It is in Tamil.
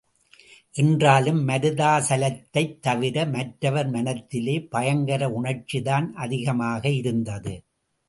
என்றாலும், மருதாசலத்தைத் தவிர மற்றவர் மனத்திலே பயங்கர உணர்ச்சிதான் அதிகமாக இருந்தது.